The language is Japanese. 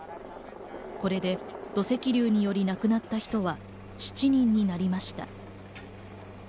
これで土石流により亡くなった人は７人になりました。